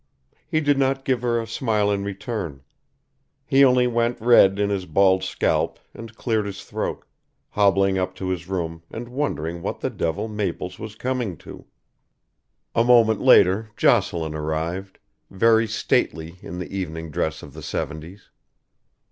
He did not give her a smile in return. He only went red in his bald scalp and cleared his throat, hobbling up to his room and wondering what the devil Maple's was coming to. A moment later Jocelyn arrived, very stately in the evening dress of the seventies.